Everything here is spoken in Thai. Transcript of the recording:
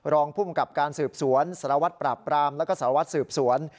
รองภูมิกับการสืบสวนสารวัตรปราบปรามแล้วก็สารวัตรสืบสวน